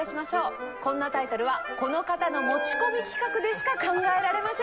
こんなタイトルはこの方の持ち込み企画でしか考えられません。